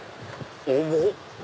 重っ！